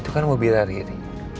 itu kan mobil hari ini